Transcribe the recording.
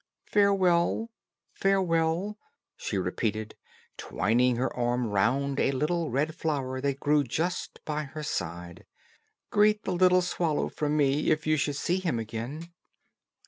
"Farewell, farewell," she repeated, twining her arm round a little red flower that grew just by her side. "Greet the little swallow from me, if you should see him again."